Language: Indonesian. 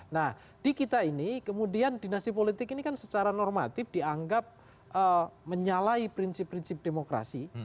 nah di kita ini kemudian dinasti politik ini kan secara normatif dianggap menyalahi prinsip prinsip demokrasi